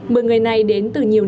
mười người này đến từ nhiều nơi